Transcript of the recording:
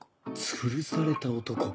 つるされた男？